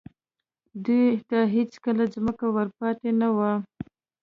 دوی ته هېڅ ځمکه ور پاتې نه وه